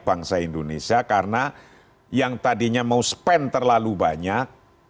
bangsa indonesia karena yang tadinya mau spend terlalu banyak